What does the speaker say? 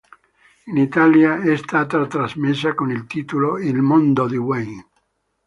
In Italia è stata trasmessa con il titolo "Il mondo di Wayne".